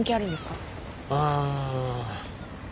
ああ。